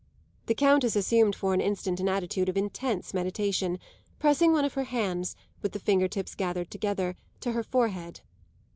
The Countess assumed for an instant an attitude of intense meditation, pressing one of her hands, with the finger tips gathered together, to her forehead.